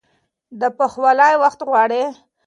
دا پخوالی وخت غواړي.